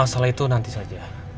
masalah itu nanti saja